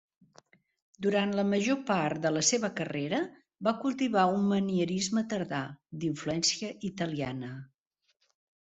Durant la major part de la seva carrera va cultivar un manierisme tardà, d'influència italiana.